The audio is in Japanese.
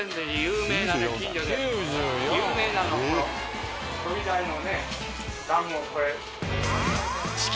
有名なのこの。